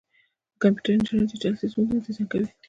د کمپیوټر انجینران ډیجیټل سیسټمونه ډیزاین کوي.